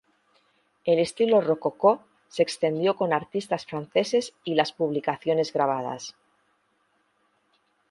El estilo rococó se extendió con artistas franceses y las publicaciones grabadas.